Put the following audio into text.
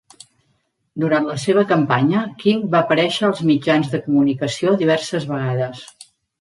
Durant la seva campanya, King va aparèixer als mitjans de comunicació diverses vegades.